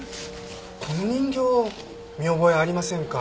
この人形見覚えありませんか？